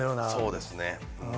そうですね。